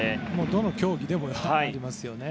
どの競技でもありますよね。